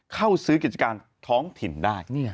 เข้าซื้อกิจการท้องถิ่นได้